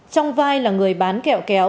trong vai là người bán kẹo kéo